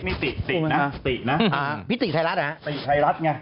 นี่ติกจ๊ะแต่แบบไทรัสเนี่ย